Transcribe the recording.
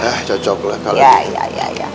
nah cocok lah kalau gitu